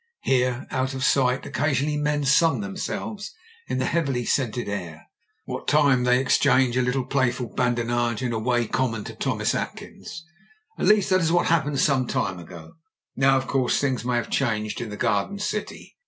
Here, out of sight, occasional men sun themselves in the heavily scented air, what time they exchange a little playful badinage in a way common to Thomas Atkins. At least, that is what happened some time ago ; now, of course, things may have changed in the garden city.